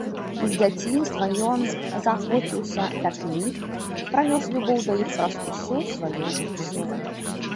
З дзяцінства ён заахвоціўся да кніг, пранёс любоў да іх праз усё сваё жыццё.